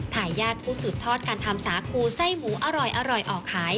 ทายาทผู้สืบทอดการทำสาคูไส้หมูอร่อยออกขาย